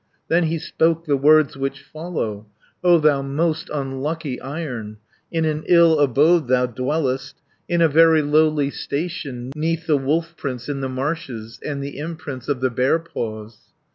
Then he spoke the words which follow: "'O thou most unlucky Iron, 130 In an ill abode thou dwellest, In a very lowly station, 'Neath the wolf prints in the marshes, And the imprints of the bear paws.'